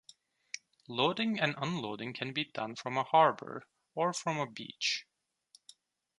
Loading and unloading can be done from a harbour or from a beach.